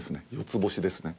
４つ星ですね。